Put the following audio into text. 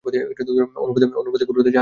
অনুবাদে - কুদরতে জাহান - হ্যাঁ।